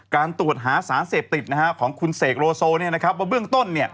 การตรวจหาสารเสพติดของคุณเสกโลโซว่าเบื้องต้น